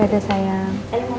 ya udah sayang